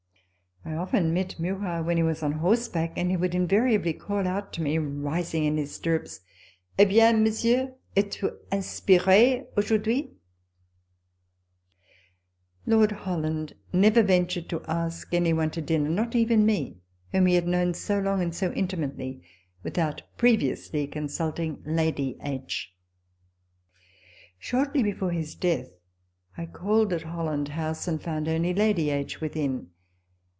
I often met Murat when he was on horseback, and he would invariably call out to me, rising in his stirrups, " He bien, Monsieur, etes vous inspire aujourd'hui ?" Lord Holland never ventured to ask any one to dinner (not even me, whom he had known so long and so intimately) without previously consulting Lady H. Shortly before his death, I called at Holland House, and found only Lady H. within.